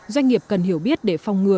doanh nghiệp cần hiểu biết để phòng ngừa